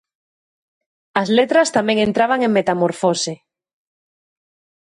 As letras tamén entraban en metamorfose.